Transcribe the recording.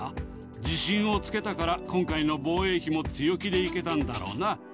自信をつけたから、今回の防衛費も強気でいけたんだろうな。